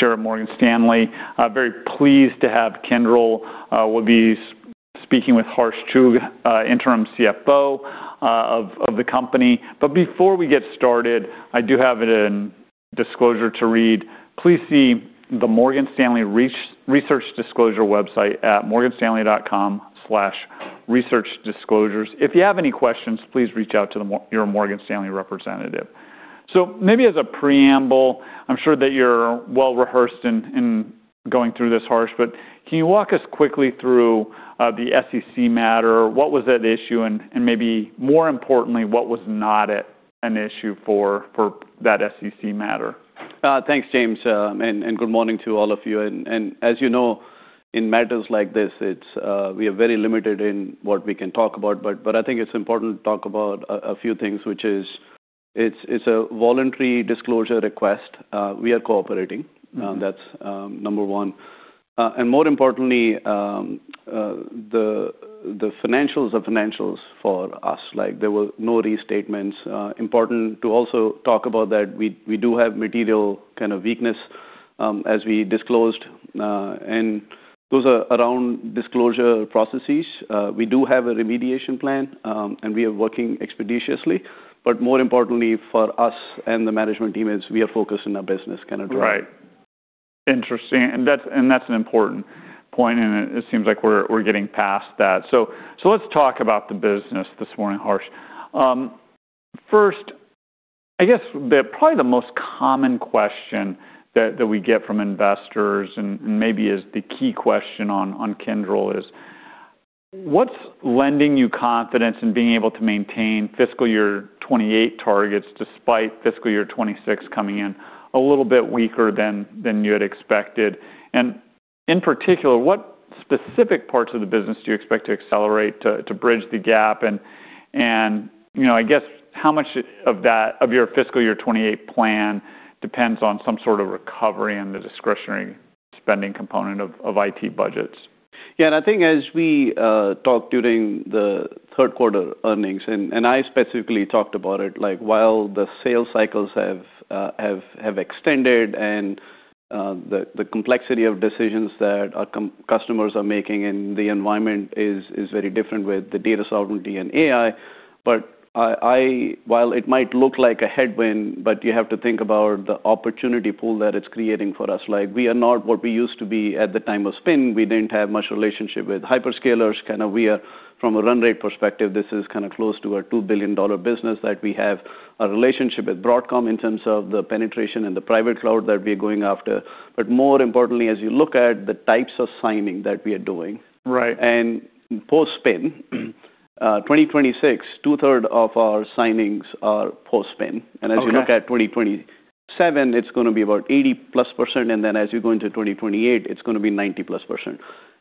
On Sarah Morgan Stanley. Very pleased to have Kyndryl. We'll be speaking with Harsh Chugh, Interim CFO of the company. Before we get started, I do have a disclosure to read. Please see the Morgan Stanley Research Disclosure website at morganstanley.com/researchdisclosures. If you have any questions, please reach out to your Morgan Stanley representative. Maybe as a preamble, I'm sure that you're well-rehearsed in going through this, Harsh, but can you walk us quickly through the SEC matter? What was at issue? And maybe more importantly, what was not at an issue for that SEC matter? Thanks, James. Good morning to all of you. As you know, in matters like this, we are very limited in what we can talk about, but I think it's important to talk about a few things, which is it's a voluntary disclosure request. We are cooperating. Mm-hmm. That's number one. More importantly, the financials are financials for us. Like, there were no restatements. Important to also talk about that we do have material kind of weakness, as we disclosed, and those are around disclosure processes. We do have a remediation plan, and we are working expeditiously, but more importantly, for us and the management team is we are focused on our business kind of driving. Right. Interesting. That's an important point, and it seems like we're getting past that. Let's talk about the business this morning, Harsh. First, I guess probably the most common question that we get from investors and maybe is the key question on Kyndryl is, what's lending you confidence in being able to maintain fiscal year '28 targets despite fiscal year '26 coming in a little bit weaker than you had expected? In particular, what specific parts of the business do you expect to accelerate to bridge the gap? You know, I guess, how much of that, of your fiscal year '28 plan depends on some sort of recovery in the discretionary spending component of IT budgets? Yeah. I think as we talked during the third quarter earnings, and I specifically talked about it, like, while the sales cycles have extended and the complexity of decisions that our customers are making and the environment is very different with the data sovereignty and AI, while it might look like a headwind, but you have to think about the opportunity pool that it's creating for us. Like, we are not what we used to be at the time of spin. We didn't have much relationship with hyperscalers. Kinda we are, from a run rate perspective, this is kinda close to a $2 billion business that we have a relationship with Broadcom in terms of the penetration and the private cloud that we are going after. More importantly, as you look at the types of signing that we are doing. Right post spin, 2026, 2/3 of our signings are post spin. Okay. As you look at 2027, it's gonna be about 80%+, and then as you go into 2028, it's gonna be 90%+.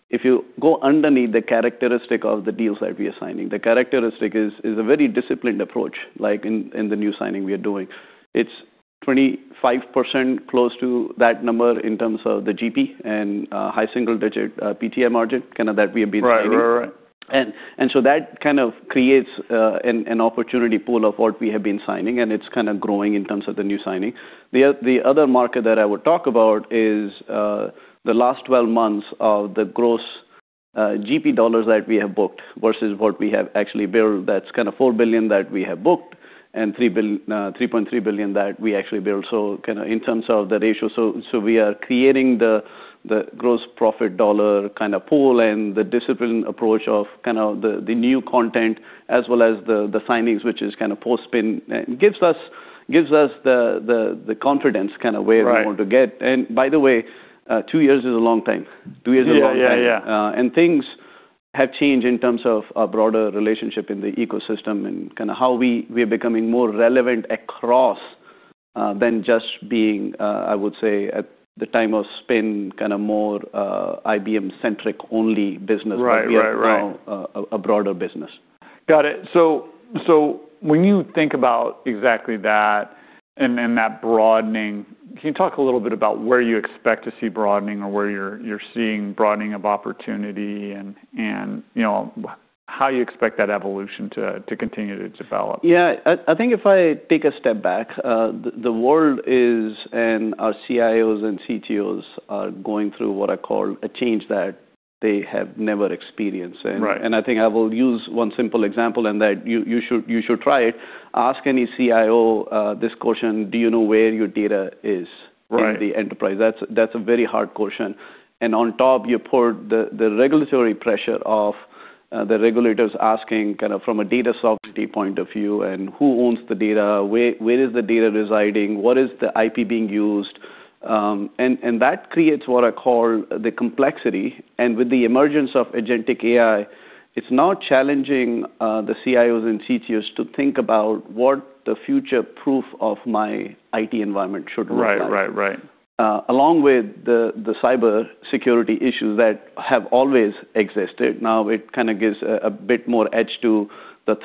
If you go underneath the characteristic of the deals that we are signing, the characteristic is a very disciplined approach, like in the new signing we are doing. It's 25% close to that number in terms of the GP and high single digit PTM margin, kind of that we have been achieving. Right. Right. Right. That kind of creates an opportunity pool of what we have been signing, and it's kinda growing in terms of the new signing. The other market that I would talk about is the last 12 months of the gross GP dollars that we have booked versus what we have actually billed, that's kinda $4 billion that we have booked and $3.3 billion that we actually billed. kinda in terms of the ratio. We are creating the gross profit dollar kinda pool and the disciplined approach of kind of the new content as well as the signings, which is kinda post spin, gives us the confidence kinda where- Right... we want to get. By the way, two years is a long time. Two years is a long time. Yeah. Yeah. Yeah. Things have changed in terms of a broader relationship in the ecosystem and how we are becoming more relevant across than just being, I would say at the time of spin, more IBM-centric only business. Right. Right. Right. we are now a broader business. Got it. When you think about exactly that and then that broadening, can you talk a little bit about where you expect to see broadening or where you're seeing broadening of opportunity and, you know, how you expect that evolution to continue to develop? Yeah. I think if I take a step back, the world is, and our CIOs and CTOs are going through what I call a change that they have never experienced. Right. I think I will use one simple example, and that you should try it. Ask any CIO, this question: Do you know where your data is? Right in the enterprise? That's a very hard question. On top, you put the regulatory pressure of the regulators asking kinda from a data sovereignty point of view and who owns the data, where is the data residing, what is the IP being used. And that creates what I call the complexity. With the emergence of agentic AI, it's now challenging the CIOs and CTOs to think about what the future-proof of my IT environment should look like. Right. Right. Right. Along with the cybersecurity issues that have always existed, now it kinda gives a bit more edge to the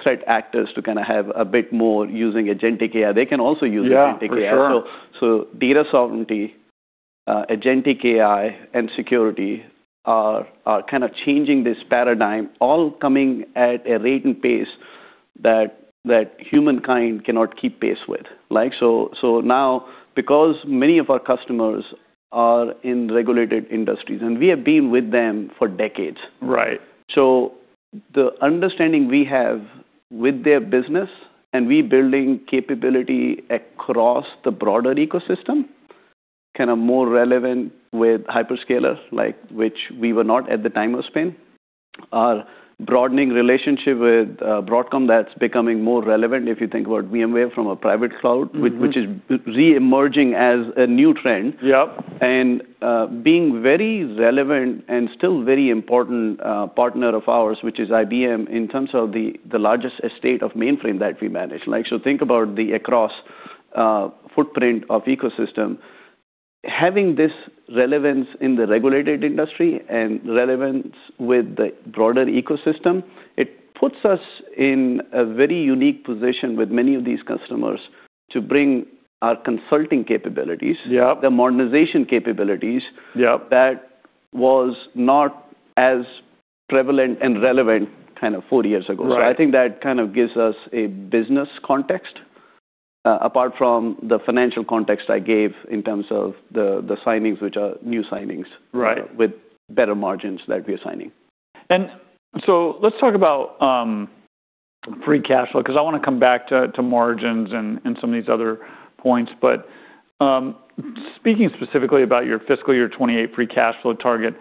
threat actors to kinda have a bit more using agentic AI. They can also use agentic AI. Yeah, for sure. Data sovereignty, agentic AI, and security are kind of changing this paradigm, all coming at a rate and pace that humankind cannot keep pace with. Like, now because many of our customers are in regulated industries, and we have been with them for decades. Right. The understanding we have with their business and we building capability across the broader ecosystem, kind of more relevant with hyperscaler, like which we were not at the time of Spin. Our broadening relationship with Broadcom that's becoming more relevant if you think about VMware from a private cloud- Mm-hmm. Which is reemerging as a new trend. Yep. Being very relevant and still very important partner of ours, which is IBM in terms of the largest estate of mainframe that we manage. Like, so think about the across footprint of ecosystem. Having this relevance in the regulated industry and relevance with the broader ecosystem, it puts us in a very unique position with many of these customers to bring our consulting capabilities. Yep. The modernization capabilities. Yep. That was not as prevalent and relevant kind of four years ago. Right. I think that kind of gives us a business context, apart from the financial context I gave in terms of the signings, which are new signings. Right. With better margins that we're signing. Let's talk about free cash flow, 'cause I wanna come back to margins and some of these other points. Speaking specifically about your fiscal year 2028 free cash flow target,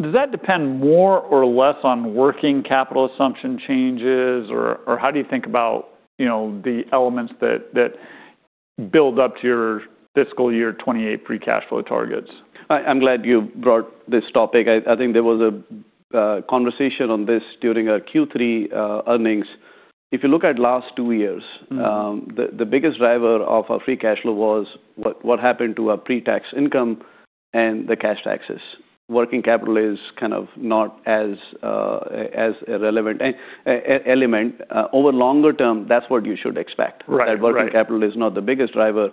does that depend more or less on working capital assumption changes? How do you think about, you know, the elements that build up to your fiscal year 2028 free cash flow targets? I'm glad you brought this topic. I think there was a conversation on this during our Q3 earnings. If you look at last two years. Mm-hmm. The biggest driver of our free cash flow was what happened to our pre-tax income and the cash taxes. Working capital is kind of not as irrelevant. Over longer term, that's what you should expect. Right. Right. That working capital is not the biggest driver,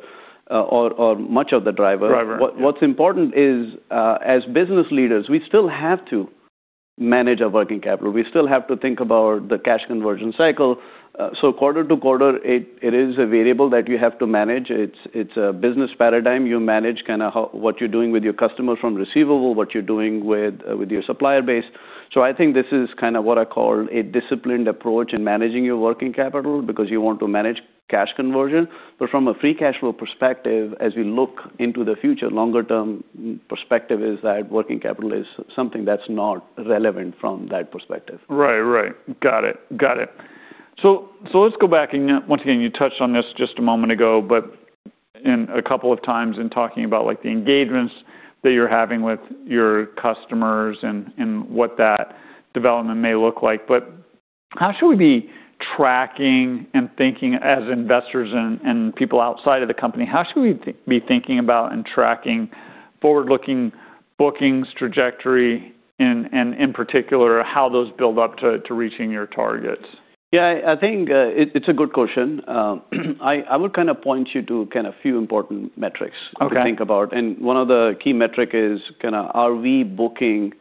or much of the driver. Driver. What's important is, as business leaders, we still have to manage our working capital. We still have to think about the cash conversion cycle. Quarter to quarter, it is a variable that you have to manage. It's a business paradigm. You manage kinda what you're doing with your customers from receivable, what you're doing with your supplier base. I think this is kinda what I call a disciplined approach in managing your working capital because you want to manage cash conversion. From a free cash flow perspective, as we look into the future, longer term perspective is that working capital is something that's not relevant from that perspective. Right. Got it. Let's go back and once again, you touched on this just a moment ago, in a couple of times in talking about like the engagements that you're having with your customers and what that development may look like. How should we be tracking and thinking as investors and people outside of the company, how should we be thinking about and tracking forward-looking bookings trajectory and in particular, how those build up to reaching your targets? I think, it's a good question. I would kinda point you to kinda few important metrics. Okay. To think about. One of the key metric is kinda are we booking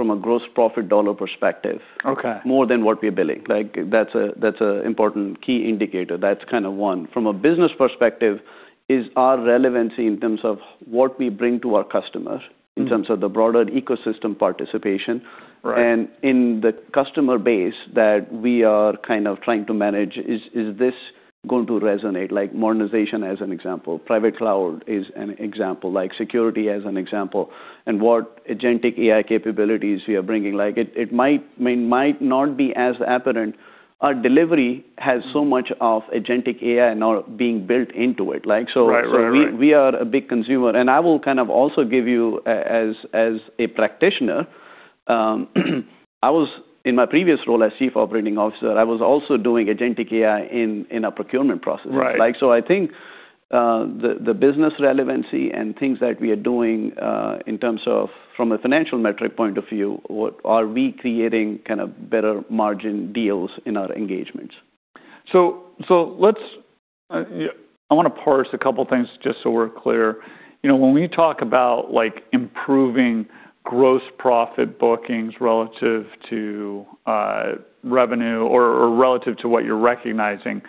from a gross profit dollar perspective. Okay. More than what we are billing? Like that's a important key indicator. That's kinda one. From a business perspective is our relevancy in terms of what we bring to our customer. Mm. In terms of the broader ecosystem participation. Right. In the customer base that we are kind of trying to manage is this going to resonate? Like modernization as an example, private cloud is an example, like security as an example, and what agentic AI capabilities we are bringing. Like it might, I mean, might not be as apparent. Our delivery has so much of agentic AI now being built into it. Like so. Right. Right. Right. We are a big consumer. I will kind of also give you as a practitioner, in my previous role as chief operating officer, I was also doing agentic AI in a procurement process. Right. Like, I think, the business relevancy and things that we are doing, in terms of from a financial metric point of view, are we creating kind of better margin deals in our engagements? Let's parse a couple things just so we're clear. You know, when we talk about like improving gross profit bookings relative to revenue or relative to what you're recognizing,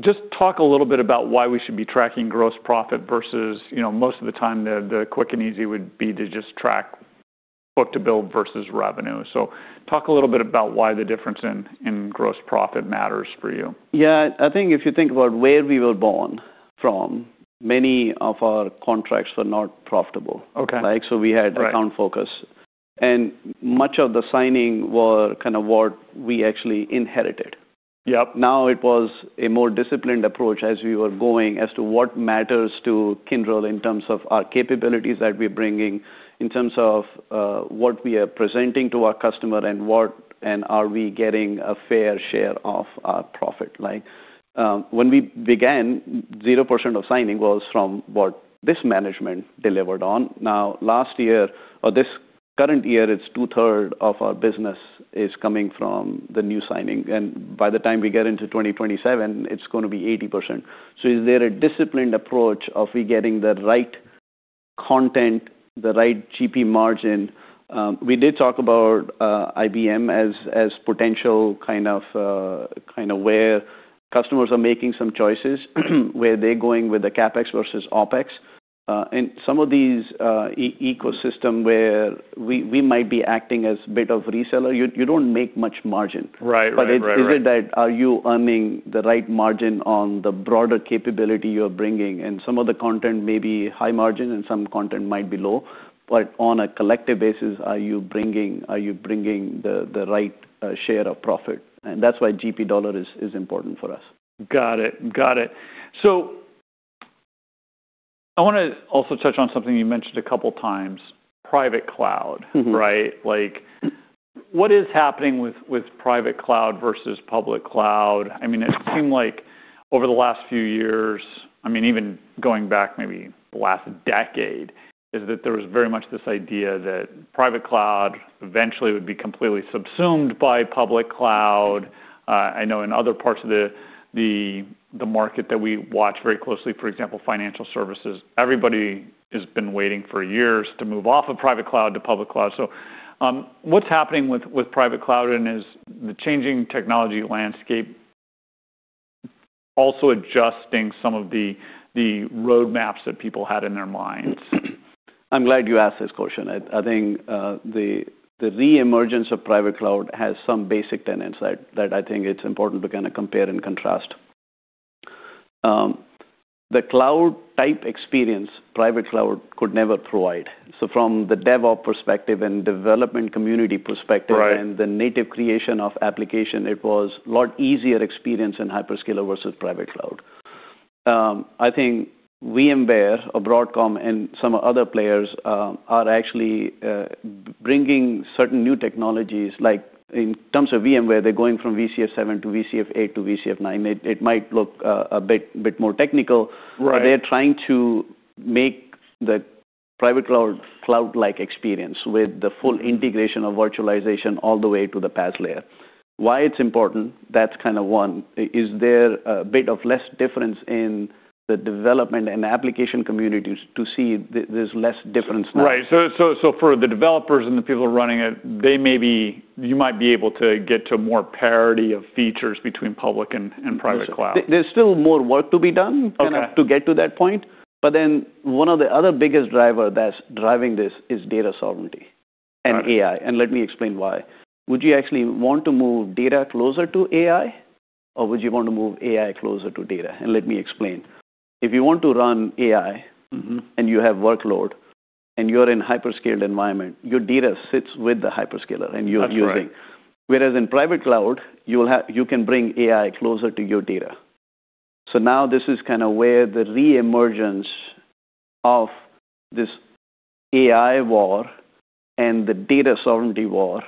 just talk a little bit about why we should be tracking gross profit versus, you know, most of the time the quick and easy would be to just track book-to-bill versus revenue. Talk a little bit about why the difference in gross profit matters for you. Yeah. I think if you think about where we were born from, many of our contracts were not profitable. Okay. Like, we had. Right. Account focus. Much of the signing were kind of what we actually inherited. Yep. It was a more disciplined approach as we were going as to what matters to Kyndryl in terms of our capabilities that we're bringing, in terms of what we are presenting to our customer and are we getting a fair share of our profit. Like, when we began, 0% of signing was from what this management delivered on. Last year or this current year, it's 2/3 of our business is coming from the new signing, and by the time we get into 2027, it's gonna be 80%. Is there a disciplined approach of we getting the right content, the right GP margin. We did talk about IBM as potential kind of where customers are making some choices, where they're going with the CapEx versus OpEx. Some of these ecosystem where we might be acting as a bit of reseller, you don't make much margin. Right. Right. Right. Right. Is it that are you earning the right margin on the broader capability you're bringing? Some of the content may be high margin and some content might be low, but on a collective basis, are you bringing the right share of profit? That's why GP dollar is important for us. Got it. Got it. I wanna also touch on something you mentioned a couple times, private cloud. Mm-hmm. Right? Like what is happening with private cloud versus public cloud? I mean, it seemed like over the last few years, I mean, even going back maybe the last decade, is that there was very much this idea that private cloud eventually would be completely subsumed by public cloud. I know in other parts of the market that we watch very closely, for example, financial services, everybody has been waiting for years to move off of private cloud to public cloud. what's happening with private cloud and is the changing technology landscape also adjusting some of the roadmaps that people had in their minds? I'm glad you asked this question. I think the reemergence of private cloud has some basic tenets that I think it's important to kinda compare and contrast. The cloud type experience, private cloud could never provide. From the DevOps perspective and development community perspective. Right... and the native creation of application, it was a lot easier experience in hyperscaler versus private cloud. I think VMware or Broadcom and some other players are actually bringing certain new technologies, like in terms of VMware, they're going from VCF 7 to VCF 8 to VCF 9. It, it might look a bit more technical- Right They're trying to make the private cloud cloud-like experience with the full integration of virtualization all the way to the PaaS layer. Why it's important, that's kinda one. Is there a bit of less difference in the development and application communities to see there's less difference now? Right. For the developers and the people running it, you might be able to get to more parity of features between public and private cloud. There's still more work to be done. Okay... kinda to get to that point, but then one of the other biggest driver that's driving this is data sovereignty... Right... and AI. Let me explain why. Would you actually want to move data closer to AI, or would you wanna move AI closer to data? Let me explain. If you want to run AI- Mm-hmm... and you have workload, and you're in hyperscaled environment, your data sits with the hyperscaler and you're using. That's right. Whereas in private cloud, You can bring AI closer to your data. Now this is kind of where the reemergence of this AI war and the data sovereignty war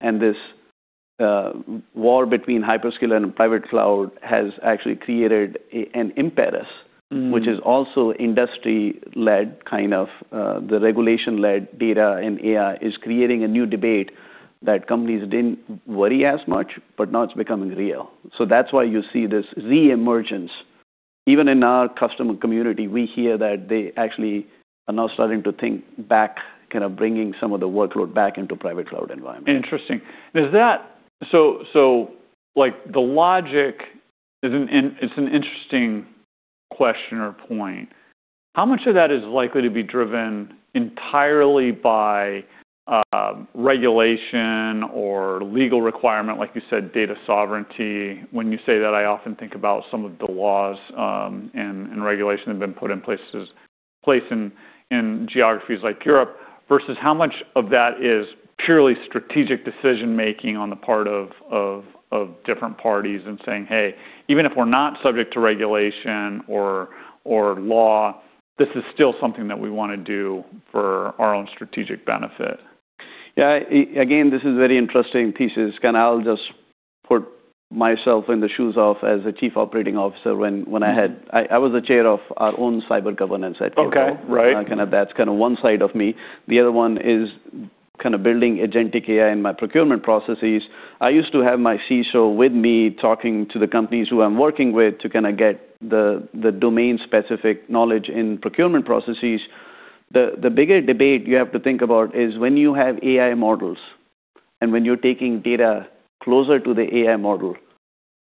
and this, war between hyperscaler and private cloud has actually created an impetus... Mm-hmm ...which is also industry-led, kind of, the regulation-led data and AI is creating a new debate that companies didn't worry as much, but now it's becoming real. That's why you see this reemergence. Even in our customer community, we hear that they actually are now starting to think back, kind of bringing some of the workload back into private cloud environment. Interesting. Is that... The logic is an interesting question or point. How much of that is likely to be driven entirely by regulation or legal requirement, like you said, data sovereignty? When you say that, I often think about some of the laws and regulation have been put in places, place in geographies like Europe, versus how much of that is purely strategic decision-making on the part of different parties and saying, "Hey, even if we're not subject to regulation or law, this is still something that we wanna do for our own strategic benefit. Yeah. Again, this is very interesting thesis, and I'll just put myself in the shoes of as a chief operating officer when I was the chair of our own cyber governance at T-Mobile. Okay. Right. Kinda that's kinda one side of me. The other one is kinda building agentic AI in my procurement processes. I used to have my CISO with me talking to the companies who I'm working with to kinda get the domain-specific knowledge in procurement processes. The bigger debate you have to think about is when you have AI models, and when you're taking data closer to the AI model,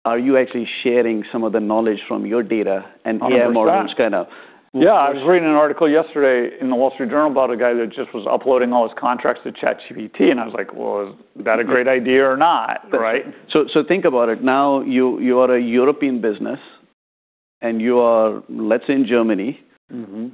are you actually sharing some of the knowledge from your data and AI models? Yeah. I was reading an article yesterday in The Wall Street Journal about a guy that just was uploading all his contracts to ChatGPT. I was like, "Well, is that a great idea or not?" Right? Think about it. Now you are a European business and you are, let's say in Germany. Mm-hmm.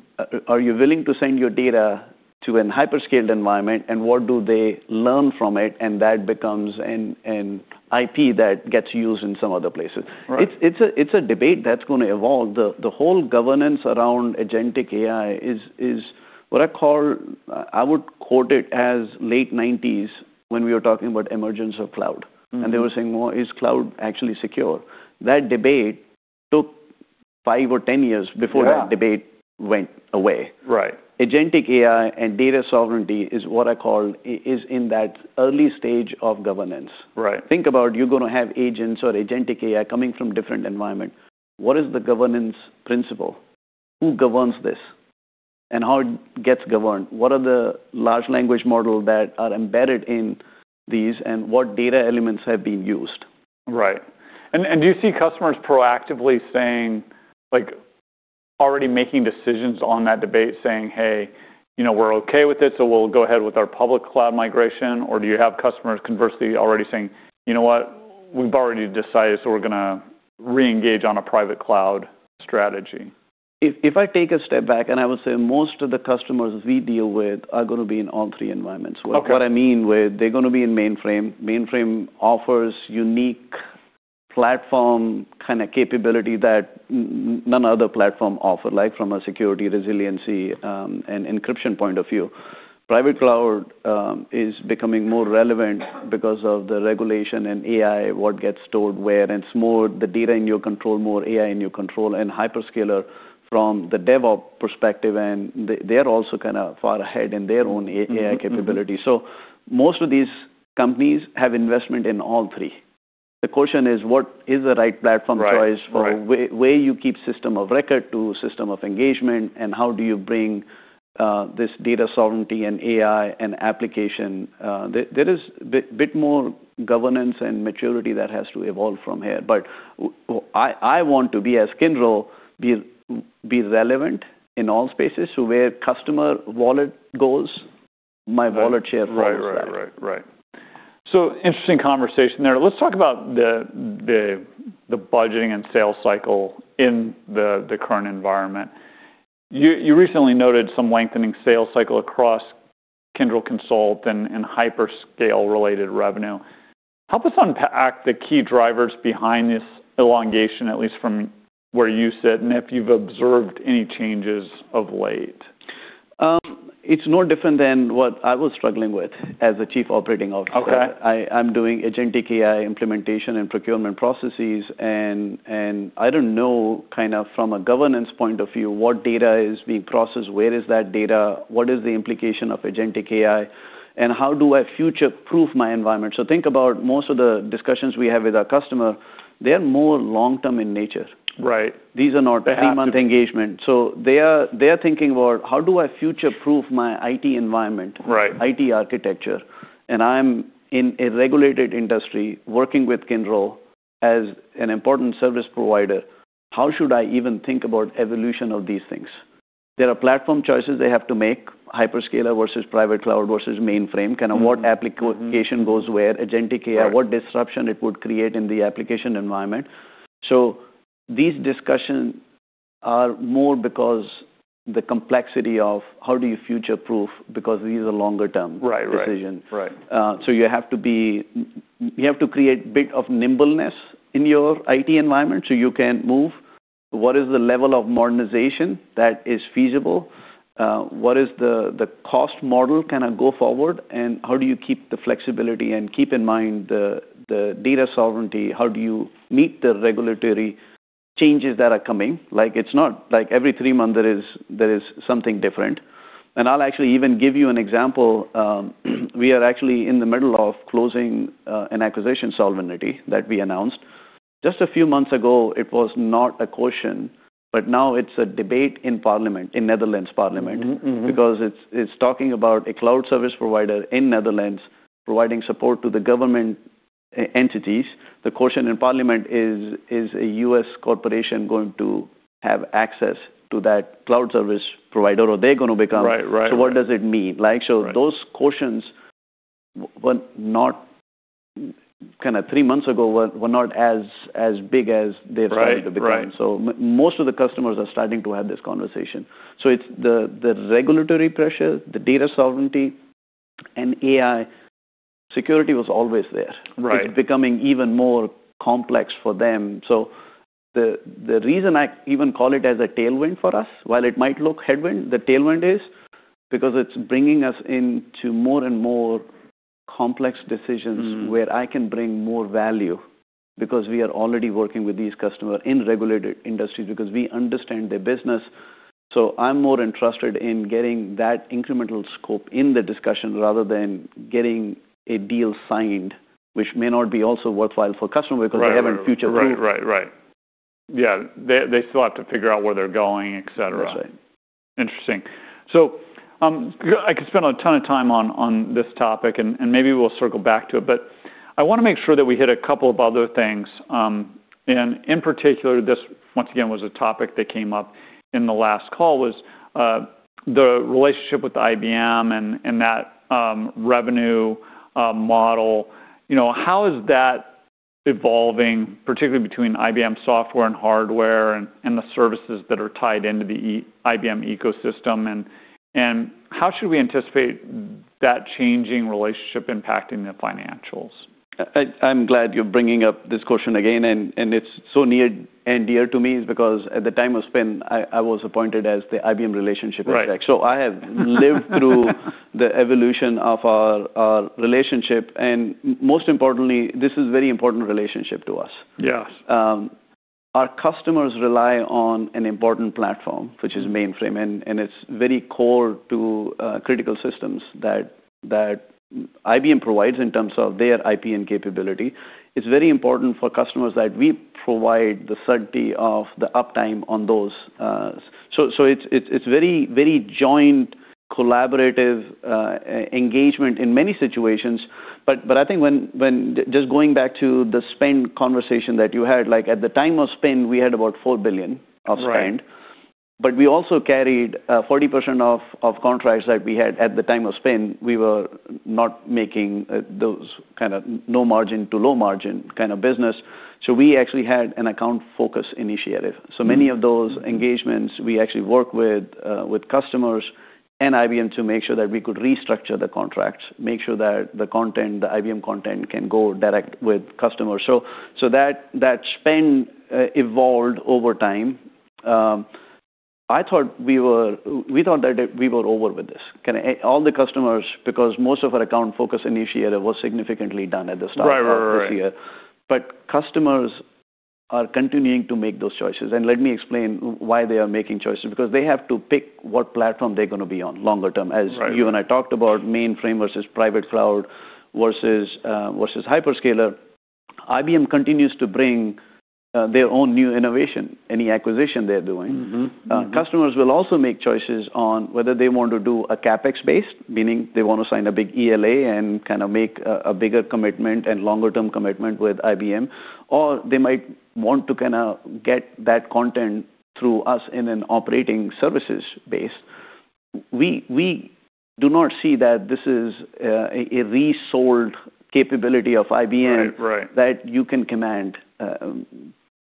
Are you willing to send your data to a hyperscaled environment. What do they learn from it? That becomes an IP that gets used in some other places. Right. It's a debate that's gonna evolve. The whole governance around agentic AI is what I call. I would quote it as late nineties when we were talking about emergence of cloud. Mm-hmm. They were saying, "Well, is cloud actually secure?" That debate took five or 10 years. Yeah... before that debate went away. Right. Agentic AI and data sovereignty is what I call is in that early stage of governance. Right. Think about you're gonna have agents or agentic AI coming from different environment. What is the governance principle? Who governs this? how it gets governed? What are the large language models that are embedded in these, and what data elements have been used? Right. Do you see customers proactively saying, like already making decisions on that debate saying, "Hey, you know, we're okay with it, so we'll go ahead with our private cloud migration," or do you have customers conversely already saying, "You know what? We've already decided, so we're gonna re-engage on a private cloud strategy? If I take a step back, and I would say most of the customers we deal with are gonna be in all three environments. Okay. What I mean with they're gonna be in mainframe. Mainframe offers unique platform kinda capability that none other platform offer, like from a security resiliency, and encryption point of view. Private cloud is becoming more relevant because of the regulation and AI, what gets stored where, and it's more the data in your control, more AI in your control and hyperscaler from the DevOps perspective, and they're also kinda far ahead in their own AI capability. Mm-hmm. Most of these companies have investment in all three. The question is what is the right platform choice? Right. Right... for where you keep system of record to system of engagement, how do you bring this data sovereignty and AI and application. There is bit more governance and maturity that has to evolve from here. I want to be, as Kyndryl, relevant in all spaces. Where customer wallet goes, my wallet share follows that. Right. Interesting conversation there. Let's talk about the budgeting and sales cycle in the current environment. You recently noted some lengthening sales cycle across Kyndryl Consult and hyperscale related revenue. Help us unpack the key drivers behind this elongation, at least from where you sit, and if you've observed any changes of late? It's no different than what I was struggling with as a chief operating officer. Okay. I'm doing agentic AI implementation and procurement processes, and I don't know kinda from a governance point of view what data is being processed, where is that data, what is the implication of agentic AI, and how do I future-proof my environment? Think about most of the discussions we have with our customer, they are more long-term in nature. Right. These are not three-month engagement. They have to- They are thinking about, "How do I future-proof my IT environment? Right. IT architecture. I'm in a regulated industry working with Kyndryl as an important service provider. How should I even think about evolution of these things?" There are platform choices they have to make, hyperscaler versus private cloud versus mainframe, kind of what application goes where, agentic AI- Right... what disruption it would create in the application environment. These discussions are more because the complexity of how do you future-proof because these are longer-term decisions. Right. Right. Right. You have to create bit of nimbleness in your IT environment so you can move. What is the level of modernization that is feasible? What is the cost model kinda go forward, and how do you keep the flexibility and keep in mind the data sovereignty? How do you meet the regulatory changes that are coming? Like every three months, there is something different. I'll actually even give you an example. We are actually in the middle of closing an acquisition Solvinity that we announced. Just a few months ago it was not a question, but now it's a debate in parliament, in Netherlands Parliament. Mm-hmm. Mm-hmm. Because it's talking about a cloud service provider in Netherlands providing support to the government e-entities. The question in parliament is a U.S. corporation going to have access to that cloud service provider or are they gonna become? Right. Right. what does it mean? Right Kinda three months ago were not as big as they have started to become. Right. Right. Most of the customers are starting to have this conversation. It's the regulatory pressure, the data sovereignty, and AI. Security was always there. Right. It's becoming even more complex for them. The reason I even call it as a tailwind for us, while it might look headwind, the tailwind is because it's bringing us into more and more complex decisions. Mm-hmm... where I can bring more value because we are already working with these customer in regulated industries because we understand their business. I'm more interested in getting that incremental scope in the discussion rather than getting a deal signed, which may not be also worthwhile for customer because they haven't future-proofed. Right. Right, right. Right. Yeah. They still have to figure out where they're going, et cetera. That's right. Interesting. I could spend a ton of time on this topic and maybe we'll circle back to it. I wanna make sure that we hit a couple of other things. In particular, this once again was a topic that came up in the last call, was the relationship with IBM and that revenue model. You know, how is that evolving, particularly between IBM software and hardware and the services that are tied into the IBM ecosystem? How should we anticipate that changing relationship impacting the financials? I'm glad you're bringing up this question again, and it's so near and dear to me is because at the time of Spin, I was appointed as the IBM relationship exec. Right. I have lived through the evolution of our relationship, and most importantly, this is very important relationship to us. Yes. Our customers rely on an important platform, which is mainframe, and it's very core to critical systems that IBM provides in terms of their IP and capability. It's very important for customers that we provide the certainty of the uptime on those. It's very joint-collaborative engagement in many situations. I think just going back to the spend conversation that you had, like at the time of spend, we had about $4 billion of spend. Right. We also carried 40% of contracts that we had at the time of spend. We were not making those kind of no margin to low margin kind of business. We actually had an account focus initiative. Many of those engagements, we actually work with customers and IBM to make sure that we could restructure the contracts, make sure that the content, the IBM content can go direct with customers. That spend evolved over time. We thought that we were over with this. All the customers, because most of our account focus initiative was significantly done at the start of this year. Right. Right. Right. Customers are continuing to make those choices. Let me explain why they are making choices, because they have to pick what platform they're going to be on longer term. Right. As you and I talked about mainframe versus private cloud versus versus hyperscaler. IBM continues to bring their own new innovation, any acquisition they're doing. Mm-hmm. Mm-hmm. Customers will also make choices on whether they want to do a CapEx base, meaning they wanna sign a big ELA and kinda make a bigger commitment and longer term commitment with IBM, or they might want to kinda get that content through us in an operating services base. We do not see that this is a resold capability of IBM. Right. Right.... that you can command,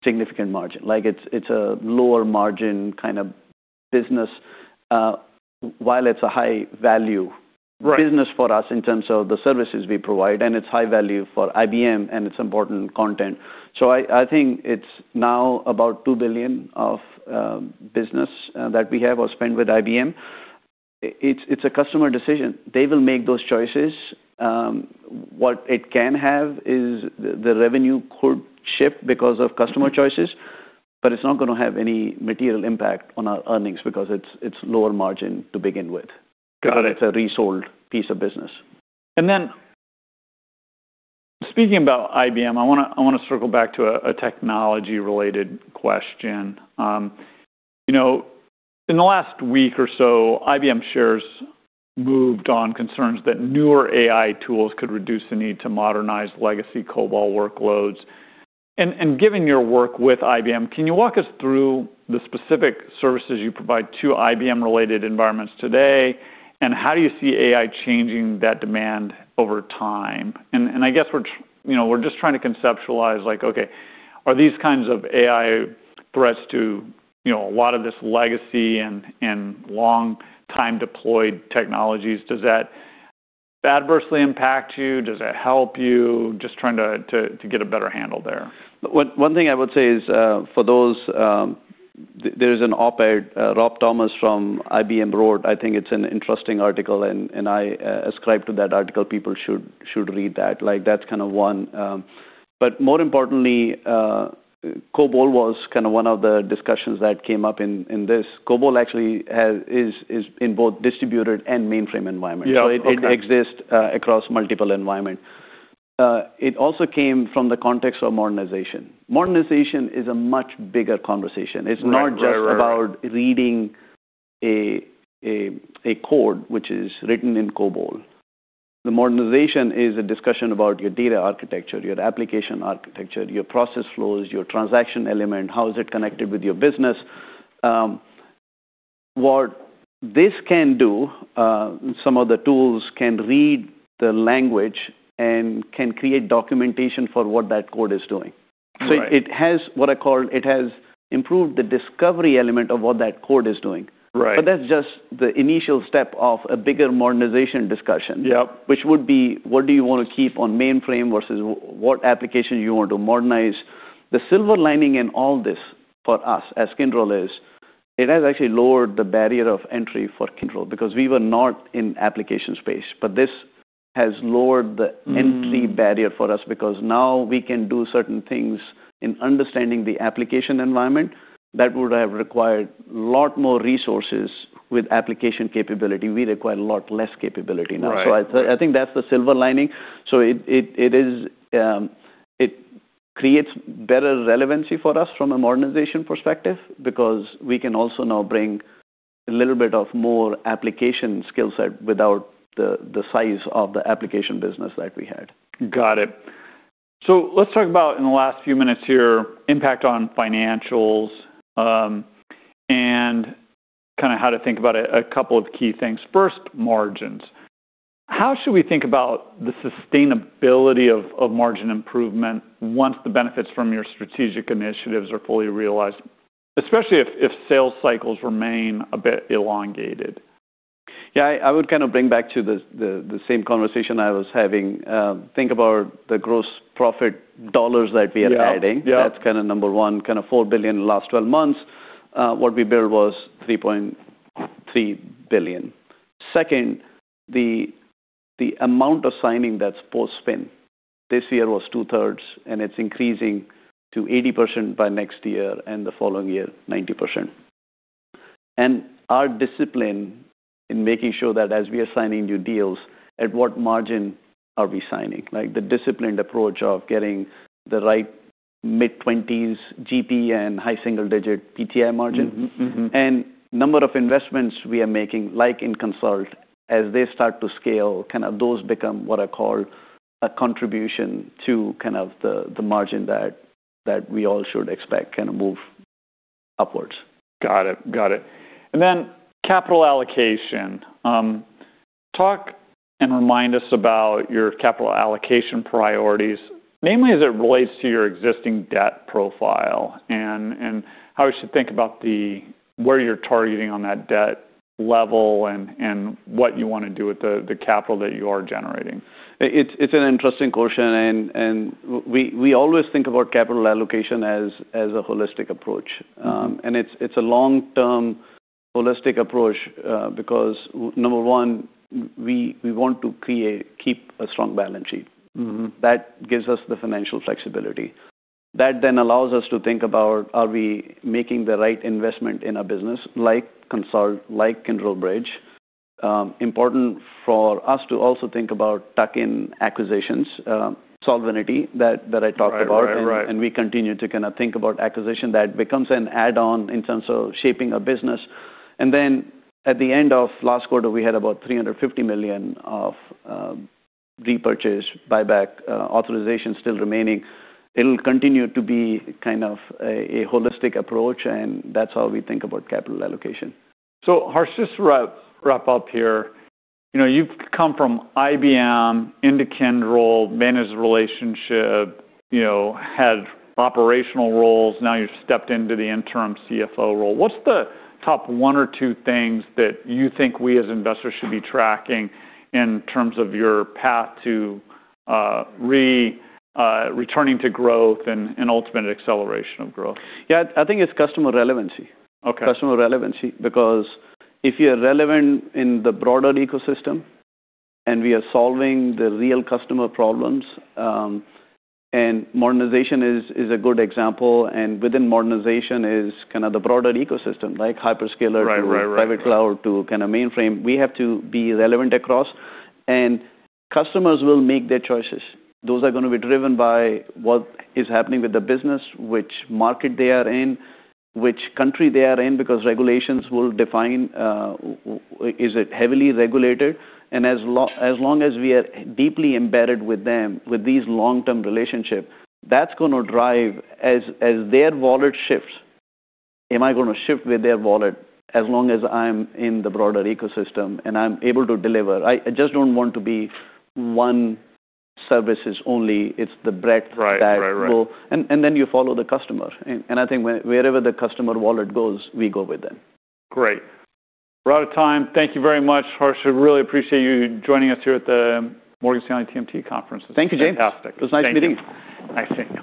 significant margin. Like, it's a lower margin kind of business, while it's a high value- Right business for us in terms of the services we provide, and it's high value for IBM, and it's important content. I think it's now about $2 billion of business that we have or spend with IBM. It's a customer decision. They will make those choices. What it can have is the revenue could shift because of customer choices, but it's not gonna have any material impact on our earnings because it's lower margin to begin with. Got it. It's a resold piece of business. Then speaking about IBM, I wanna circle back to a technology related question. You know, in the last week or so, IBM shares moved on concerns that newer AI tools could reduce the need to modernize legacy COBOL workloads. Given your work with IBM, can you walk us through the specific services you provide to IBM related environments today, and how do you see AI changing that demand over time? I guess, you know, we're just trying to conceptualize, like, okay, are these kinds of AI threats to, you know, a lot of this legacy and long time deployed technologies, does that adversely impact you? Does that help you? Just trying to get a better handle there. One thing I would say is, for those, there's an op-ed, Rob Thomas from IBM wrote. I think it's an interesting article, and I ascribe to that article. People should read that. Like, that's kind of one. More importantly, COBOL was kinda one of the discussions that came up in this. COBOL actually is in both distributed and mainframe environment. Yeah. Okay. It exists across multiple environment. It also came from the context of modernization. Modernization is a much bigger conversation. Right. Right. Right. Right. It's not just about reading a code which is written in COBOL. The modernization is a discussion about your data architecture, your application architecture, your process flows, your transaction element, how is it connected with your business. What this can do, some of the tools can read the language and can create documentation for what that code is doing. Right. It has what I call. It has improved the discovery element of what that code is doing. Right. That's just the initial step of a bigger modernization discussion. Yep. What do you wanna keep on mainframe versus what application you want to modernize. The silver lining in all this for us as Kyndryl is it has actually lowered the barrier of entry for Kyndryl because we were not in application space. This has lowered the entry barrier for us because now we can do certain things in understanding the application environment that would have required a lot more resources with application capability. We require a lot less capability now. Right. I think that's the silver lining. It is, it creates better relevancy for us from a modernization perspective because we can also now bring a little bit of more application skill set without the size of the application business that we had. Got it. Let's talk about in the last few minutes here, impact on financials, and kind of how to think about a couple of key things. First, margins. How should we think about the sustainability of margin improvement once the benefits from your strategic initiatives are fully realized, especially if sales cycles remain a bit elongated? Yeah. I would kind of bring back to the same conversation I was having. Think about the gross profit dollars that we are adding. Yeah. Yeah. That's kinda number one, kind of $4 billion last 12 months. What we billed was $3.3 billion. Second, the amount of signing that's post-spin this year was two-thirds, and it's increasing to 80% by next year, and the following year, 90%. Our discipline in making sure that as we are signing new deals, at what margin are we signing? Like, the disciplined approach of getting the right-Mid-20s GP and high single-digit PTI margin. Mm-hmm. Mm-hmm. Number of investments we are making, like in Consult, as they start to scale, kind of those become what I call a contribution to kind of the margin that we all should expect can move upwards. Got it. Got it. Then capital allocation. Talk and remind us about your capital allocation priorities, mainly as it relates to your existing debt profile and how we should think about Where you're targeting on that debt level and what you wanna do with the capital that you are generating. It's an interesting question and we always think about capital allocation as a holistic approach. It's a long-term holistic approach, because number one, we want to keep a strong balance sheet. Mm-hmm. That gives us the financial flexibility. That then allows us to think about are we making the right investment in our business, like Consult, like Kyndryl Bridge. Important for us to also think about tuck-in acquisitions, Solvinity that I talked about. Right. Right. Right. We continue to kind of think about acquisition that becomes an add-on in terms of shaping our business. At the end of last quarter, we had about $350 million of repurchase, buyback authorization still remaining. It'll continue to be kind of a holistic approach, and that's how we think about capital allocation. Harsh, just to wrap up here. You know, you've come from IBM into Kyndryl, managed the relationship, you know, had operational roles. Now you've stepped into the interim CFO role. What's the top one or two things that you think we as investors should be tracking in terms of your path to returning to growth and ultimate acceleration of growth? Yeah. I think it's customer relevancy. Okay. Customer relevancy. If you're relevant in the broader ecosystem, and we are solving the real customer problems, and modernization is a good example, and within modernization is kind of the broader ecosystem, like hyperscaler- Right. Right. Right. To private cloud to kinda mainframe. We have to be relevant across. Customers will make their choices. Those are gonna be driven by what is happening with the business, which market they are in, which country they are in, because regulations will define, is it heavily regulated. As long as we are deeply embedded with them, with these long-term relationship, that's gonna drive, as their wallet shifts, am I gonna shift with their wallet as long as I'm in the broader ecosystem, and I'm able to deliver? I just don't want to be one services only. It's the breadth, depth. Right. Right. Right.... and then you follow the customer. I think wherever the customer wallet goes, we go with them. Great. We're out of time. Thank you very much, Harsh. I really appreciate you joining us here at the Morgan Stanley TMT Conference. Thank you, James. Fantastic. It was nice meeting you. Thank you. Nice seeing you.